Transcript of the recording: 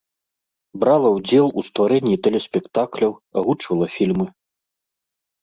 Брала ўдзел у стварэнні тэлеспектакляў, агучвала фільмы.